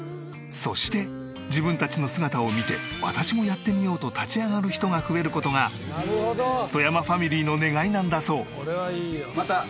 そして自分たちの姿を見て私もやってみようと立ち上がる人が増える事が外山ファミリーの願いなんだそう。